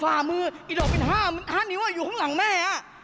ฝ่ามือไอ้ดอกเป็นห้าห้านิ้วอยู่ข้างหลังแม่